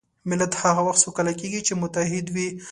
ملت هغه وخت سوکاله کېږي چې متحد وي.